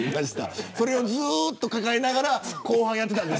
それをずっと抱えながら後半やってたん